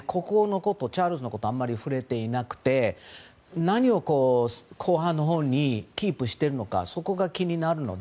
チャールズ国王のことにあまり触れていなくて何を後半のほうにキープしているのかそこが気になるので。